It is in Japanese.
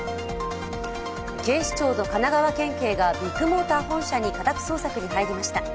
警視庁と神奈川県警がビッグモーター本社に家宅捜索に入りました。